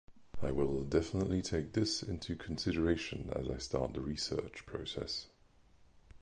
I will definitely take this into consideration as I start the research process.